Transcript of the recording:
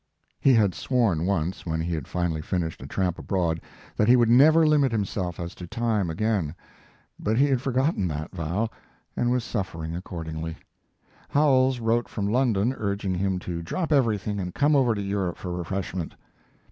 He had sworn once, when he had finally finished 'A Tramp Abroad', that he would never limit himself as to time again. But he had forgotten that vow, and was suffering accordingly. Howells wrote from London urging him to drop everything and come over to Europe for refreshment.